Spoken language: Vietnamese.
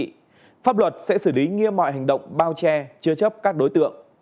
nếu có thông tin có giá trị pháp luật sẽ xử lý nghiêm mọi hành động bao che chứa chấp các đối tượng